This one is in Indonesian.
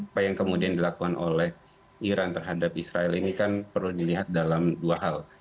apa yang kemudian dilakukan oleh iran terhadap israel ini kan perlu dilihat dalam dua hal